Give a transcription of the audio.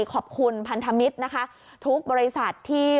ขอบคุณพันธมิตรนะคะทุกบริษัทที่